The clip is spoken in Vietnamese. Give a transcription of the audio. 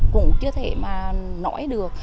cũng chưa thể mà nói được